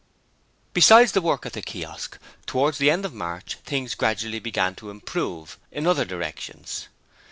Besides the work at the Kiosk, towards the end of March things gradually began to improve in other directions.